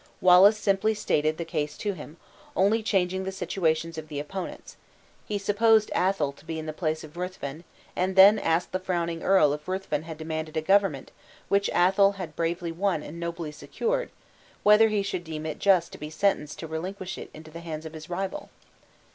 Wallace simply stated the case to him, only changing the situations of the opponents; he supposed Athol to be in the place of Ruthven and then asked the frowning earl if Ruthven had demanded a government which Athol had bravely won and nobly secured, whether he should deem it just to be sentenced to relinquish it into the hands of his rival?